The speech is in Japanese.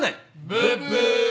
ブッブー！